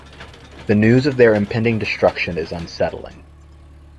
The news of their impending destruction is unsettling.